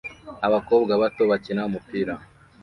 Abakobwa bato bakina umupira